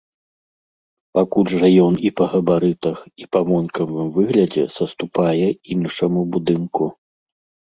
Пакуль жа ён і па габарытах, і па вонкавым выглядзе саступае іншаму будынку.